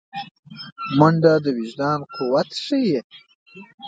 منډه د وجدان قوت ښيي